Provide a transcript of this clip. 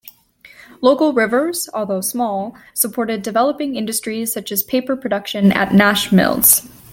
Local rivers, although small, supported developing industries such as paper production at Nash Mills.